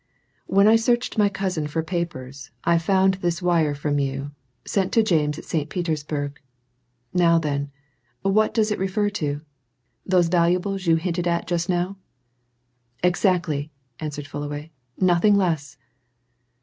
When I searched my cousin for papers, I found this wire from you sent to James at St. Petersburg. Now then, what does it refer to? Those valuables you hinted at just now?" "Exactly!" answered Fullaway. "Nothing less!"